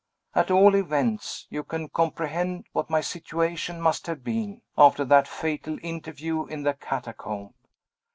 At all events, you can comprehend what my situation must have been, after that fatal interview in the catacomb.